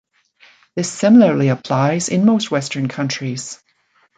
This similarly applies in most Western countries.